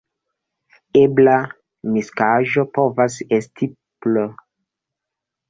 Ebla miksaĵo povas esti pl.